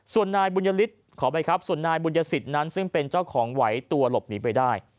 ส่วนนายบุญศิษฐ์นั้นซึ่งเป็นเจ้าของไหวตัวหลบหนีไปได้